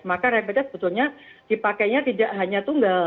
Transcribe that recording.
maka rapidnya sebetulnya dipakainya tidak hanya tunggal